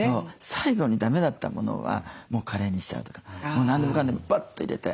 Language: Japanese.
最後にだめだったものはもうカレーにしちゃうとかもう何でもかんでもバッと入れて。